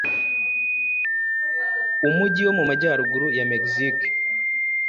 umujyi wo mu majyaruguru ya Mexique